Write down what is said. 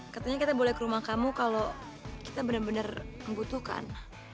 katanya kita boleh ke rumah kamu kalau kita benar benar membutuhkan